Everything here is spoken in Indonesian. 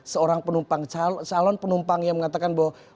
seorang penumpang calon penumpang yang mengatakan bahwa